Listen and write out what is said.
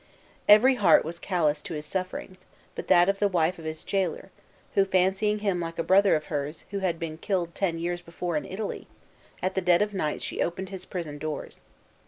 Every heart was callous to his sufferings, but that of the wife of his jailer; who, fancying him like a brother of hers, who had been killed ten years before in Italy, at the dead of the night she opened his prison doors.